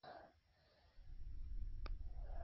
لښکر له تندې ماتې خوړلې ده.